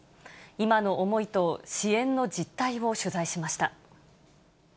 今の思いと、支援の実態を取材しました。